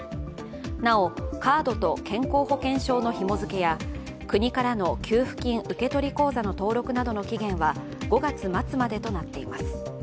なお、カードと健康保険証のひも付けや国からの給付金受け取り口座の登録などの期限は５月末までとなっています。